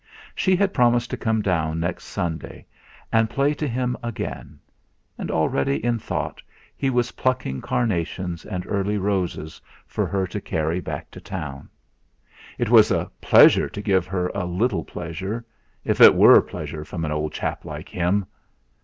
She had promised to come down next Sunday and play to him again, and already in thought he was plucking carnations and early roses for her to carry back to town. It was a pleasure to give her a little pleasure, if it WERE pleasure from an old chap like him!